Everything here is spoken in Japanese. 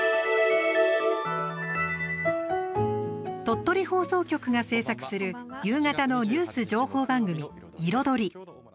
鳥取放送局が制作する夕方のニュース情報番組「いろドリ」。